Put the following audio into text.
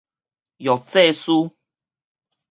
藥劑師